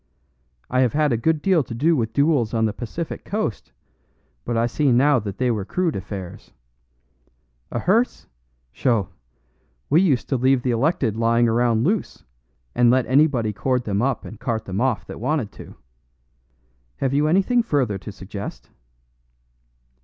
I have had a good deal to do with duels on the Pacific coast, but I see now that they were crude affairs. A hearse sho! we used to leave the elected lying around loose, and let anybody cord them up and cart them off that wanted to. Have you anything further to suggest?"